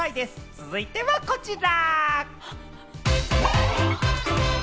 続いてはこちら。